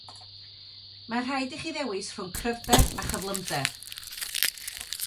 Mae'n rhaid i chi ddewis rhwng cryfder a chyflymder.